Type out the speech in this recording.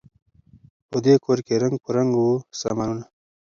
په دې کورکي رنګ په رنګ وه سامانونه